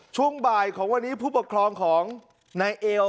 ช่วงบ่ายของวันนี้ผู้ปกครองของนายเอล